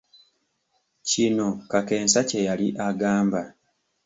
Kino kakensa kye yali agamba.